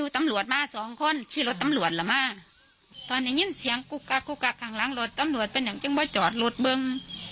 ทางต้นฐานเห็นเสียงกุกตะกุกตะข้างหลังรถตำรวจเป็นยังจึงไว้จอดรถบื้อง